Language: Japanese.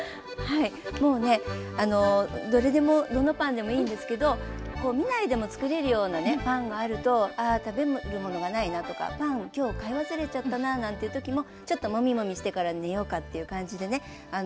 はいもうねどれでもどのパンでもいいんですけど見ないでも作れるようなねパンがあると「ああ食べるものがないな」とか「パンきょう買い忘れちゃったなぁ」なんていう時もちょっとモミモミしてから寝ようかっていう感じでね。